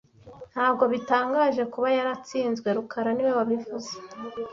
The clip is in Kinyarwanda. Ntabwo bitangaje kuba yaratsinzwe rukara niwe wabivuze